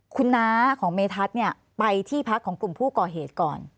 คุณน้าของเมทัศน์ไปที่พักของกลุ่มผู้ก่อเหตุก่อน